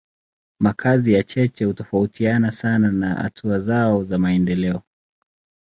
Makazi ya cheche hutofautiana sana na hatua zao za maendeleo.